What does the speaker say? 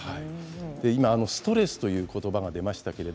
今ストレスということばが出ましたけれど